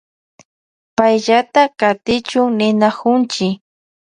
Payllata katichun ninakunchi.